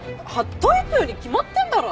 トイプーに決まってんだろ！